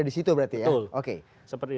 di situ berarti ya betul oke